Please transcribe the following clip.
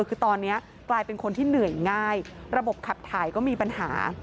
คือตอนนี้กลายเป็นคนที่เหนื่อยง่ายระบบขับถ่ายก็มีปัญหา